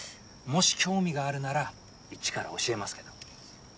もし興味があるなら一から教えますけど。